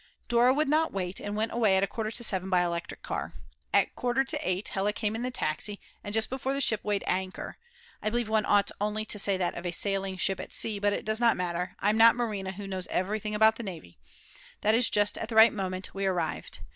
Dora would not wait, and went away at a quarter to 7 by electric car. At a quarter to 8 Hella came in the taxi, and just before the ship weighed anchor (I believe one ought only to say that of a sailing ship at sea, but it does not matter, I'm not Marina who knows everything about the navy), that is just at the right moment, we arrived.